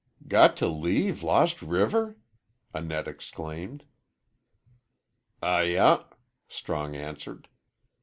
"Got to leave Lost River!" Annette exclaimed. "Ay ah," Strong answered.